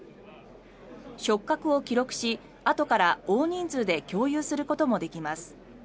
触覚を記録し、あとから大人数で共有することもできます。